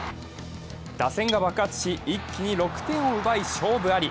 打線が爆発し、一気に６点を奪い勝負あり。